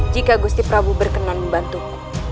jika gusti prabu berkenan membantuku